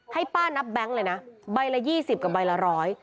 ให้ป้านับแบงค์เลยนะใบละยี่สิบกับใบละร้อย